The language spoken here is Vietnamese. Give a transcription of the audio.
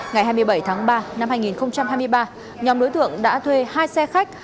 ngày hai mươi bảy tháng ba năm hai nghìn hai mươi ba nhóm đối tượng đã thuê hai xe khách